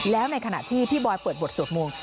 แล้วในขณะที่พี่บอยเปิดบทสวดมนต์